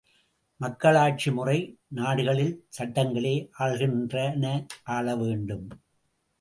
மக்களாட்சி முறை நாடுகளில் சட்டங்களே ஆள்கின்றன ஆளவேண்டும்.